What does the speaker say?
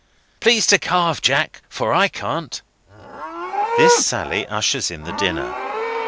Please to carve, Jack, for I can't." This sally ushers in the dinner.